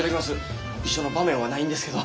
一緒の場面はないんですけど。